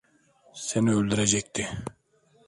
Seni öldürecekti.